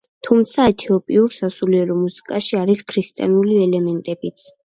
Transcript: თუმცა, ეთიოპიურ სასულიერო მუსიკაში არის ქრისტიანული ელემენტებიც.